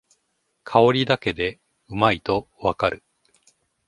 香りだけでうまいとわかる